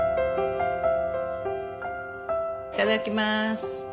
いただきます。